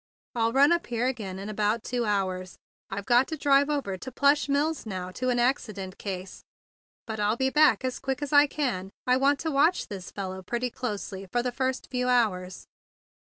I'll run up here again in about two hours. I've got to drive over to the Plush Mills now, to an accident case; but I'll be back as quick as I can. I want to watch this fellow pretty closely for the first few hours."